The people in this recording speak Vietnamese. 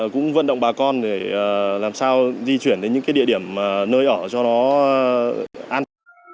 cũng vận động bà con để làm sao di chuyển đến những địa điểm nơi ở cho nó an toàn